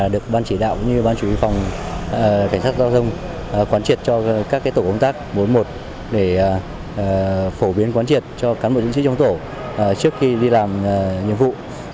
được ban chỉ đạo cũng như ban chủ y phòng cảnh sát giao thông quán triệt cho các tổ công tác bốn mươi một để phổ biến quán triệt cho cán bộ chiến sĩ trong tổ trước khi đi làm nhiệm vụ